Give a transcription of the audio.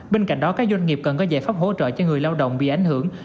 bên cạnh đó các doanh nghiệp cần có giải pháp hỗ trợ cho người lao động bị ảnh hưởng